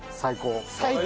最高。